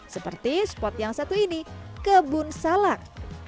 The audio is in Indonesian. seperti spot yang satu ini kebun salak